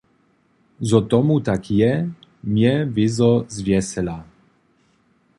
Zo tomu tak je, mje wězo zwjesela.